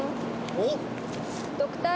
おっ！